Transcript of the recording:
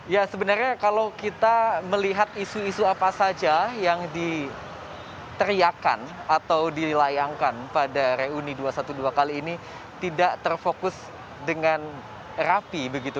ya sebenarnya kalau kita melihat isu isu apa saja yang diteriakan atau dilayangkan pada reuni dua ratus dua belas kali ini tidak terfokus dengan rapi begitu